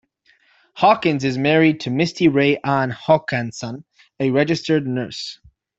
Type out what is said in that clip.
Hawkins is married to Misti Rae Ann Hokanson, a registered nurse.